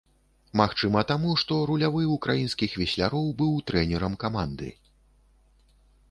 Магчыма таму, што рулявы ўкраінскіх весляроў быў трэнерам каманды.